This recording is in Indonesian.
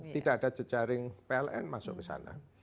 tidak ada jejaring pln masuk ke sana